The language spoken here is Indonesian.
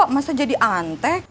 masa jadi antek